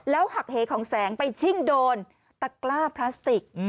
หักเหของแสงไปชิ่งโดนตะกล้าพลาสติก